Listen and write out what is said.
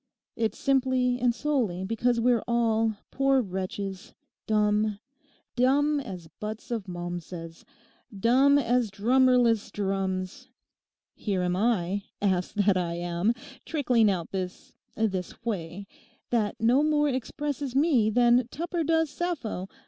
'It's simply and solely because we're all, poor wretches, dumb—dumb as butts of Malmsez; dumb as drummerless drums. Here am I, ass that I am, trickling out this—this whey that no more expresses me than Tupper does Sappho.